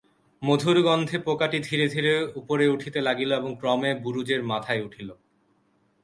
মধুর গন্ধে পোকাটি ধীরে ধীরে উপরে উঠিতে লাগিল এবং ক্রমে বুরুজের মাথায় উঠিল।